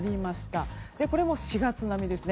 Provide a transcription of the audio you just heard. これも４月並みですね。